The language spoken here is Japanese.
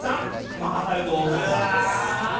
ママタルト大鶴さんです。